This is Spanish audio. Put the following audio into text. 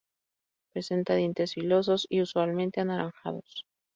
Presenta dientes filosos y usualmente anaranjados.